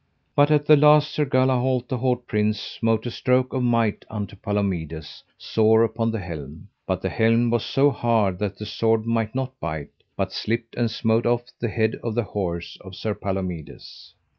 But at the last Sir Galahalt, the haut prince, smote a stroke of might unto Palomides, sore upon the helm; but the helm was so hard that the sword might not bite, but slipped and smote off the head of the horse of Sir Palomides.